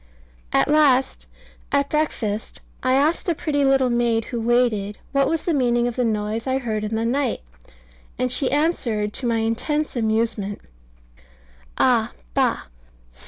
At last at breakfast I asked the pretty little maid who waited what was the meaning of the noise I heard in the night, and she answered, to my intense amusement, "Ah! bah!